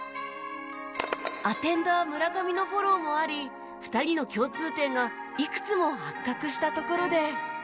アテンダー村上のフォローもあり２人の共通点がいくつも発覚したところで